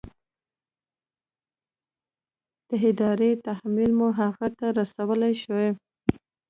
د ارادې تحمیل مو هغې ته رسولی شي؟